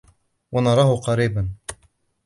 وَنَرَاهُ قَرِيبًا